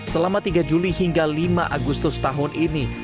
selama tiga juli hingga lima agustus tahun ini